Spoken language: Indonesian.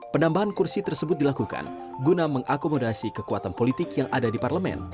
penambahan kursi tersebut dilakukan guna mengakomodasi kekuatan politik yang ada di parlemen